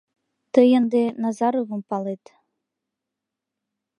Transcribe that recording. Тый ынде Назаровым палет.